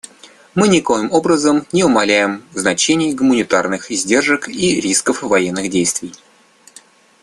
Мы никоим образом не умаляем значения гуманитарных издержек и рисков военных действий.